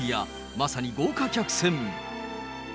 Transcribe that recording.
まさに豪華客船。